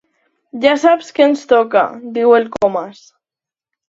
Ja saps què ens toca —diu el Comas.